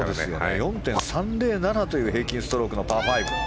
４．３０７という平均ストロークのパー５。